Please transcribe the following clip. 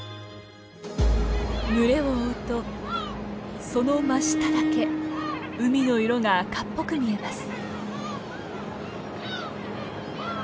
群れを追うとその真下だけ海の色が赤っぽく見えます。